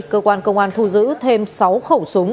cơ quan công an thu giữ thêm sáu khẩu súng